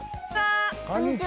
こんにちは！